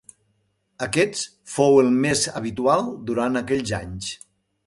Aquest fou el format més habitual durant aquells anys.